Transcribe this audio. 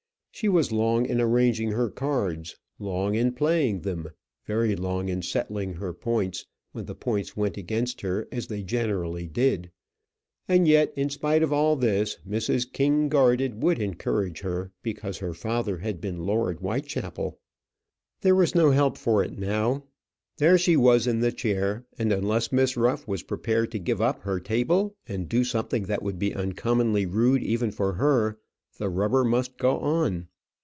She was long in arranging her cards, long in playing them; very long in settling her points, when the points went against her, as they generally did. And yet, in spite of all this, Mrs. King Garded would encourage her because her father had been Lord Whitechapel! There was no help for it now. There she was in the chair; and unless Miss Ruff was prepared to give up her table and do something that would be uncommonly rude even for her, the rubber must go on.